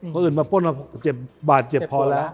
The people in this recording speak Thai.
คนอื่นมาป้นมาเจ็บบาดเจ็บพอแล้ว